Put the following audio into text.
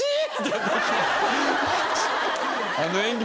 あの演技